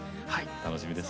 楽しみです。